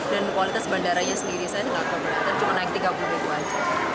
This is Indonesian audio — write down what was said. dan kualitas bandaranya sendiri saya enggak keberatan cuma naik tiga puluh ribu aja